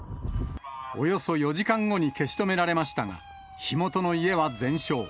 およそ４時間後に消し止められましたが、火元の家は全焼。